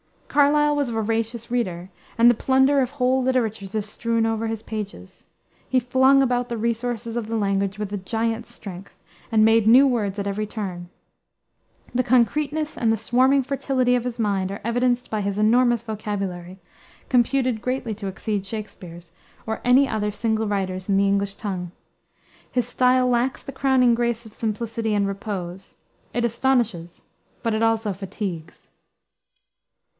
Carlyle was a voracious reader, and the plunder of whole literatures is strewn over his pages. He flung about the resources of the language with a giant's strength, and made new words at every turn. The concreteness and the swarming fertility of his mind are evidenced by his enormous vocabulary, computed greatly to exceed Shakspere's, or any other single writer's in the English tongue. His style lacks the crowning grace of simplicity and repose. It astonishes, but it also fatigues.